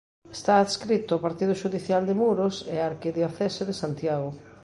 Está adscrito ao partido xudicial de Muros e á arquidiocese de Santiago.